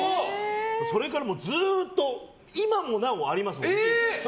それからずっと今もなおありますもん。